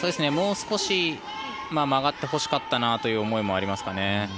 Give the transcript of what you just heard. もう少し曲がってほしかったという思いもありますかね。